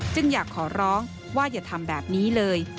จึงอยากขอร้องว่าอย่าทำแบบนี้เลย